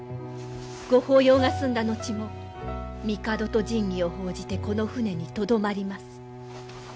ご法要が済んだ後も帝と神器を奉じてこの船にとどまります。